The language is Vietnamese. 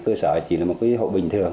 cơ sở chỉ là một hộp bình thường